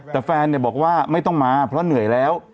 แต่แฟนบอกว่าไม่ต้องมาเพราะเหนื่อยแล้ว